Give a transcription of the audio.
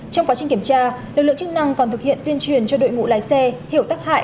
trong quá trình kiểm tra lực lượng chức năng còn thực hiện tuyên truyền cho đội ngũ lái xe hiểu tắc hại